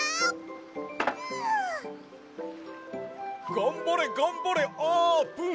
がんばれがんばれあーぷん！